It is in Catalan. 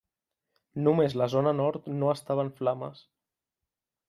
Només la zona nord no estava en flames.